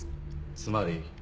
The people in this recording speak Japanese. つまり？